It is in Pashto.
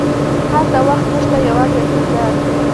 هلته وخت نه شته، یوازې انتظار.